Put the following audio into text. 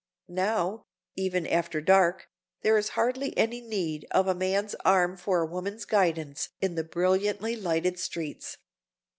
Now, even after dark, there is hardly any need of a man's arm for a woman's guidance in the brilliantly lighted streets.